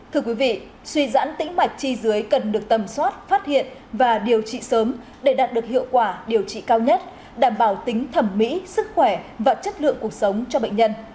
thưa quý vị suy giãn tĩnh mạch chi dưới cần được tầm soát phát hiện và điều trị sớm để đạt được hiệu quả điều trị cao nhất đảm bảo tính thẩm mỹ sức khỏe và chất lượng cuộc sống cho bệnh nhân